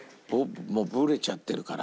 もうブレちゃってるから。